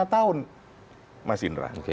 karena sudah satu setengah tahun